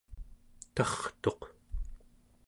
tartuq